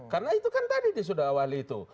karena itu kan tadi di awal itu